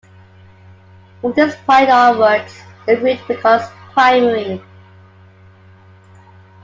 From this point onwards, the route becomes Primary.